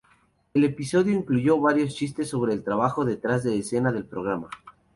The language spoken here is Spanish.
El episodio incluyó varios chistes sobre el trabajo detrás de escena del programa.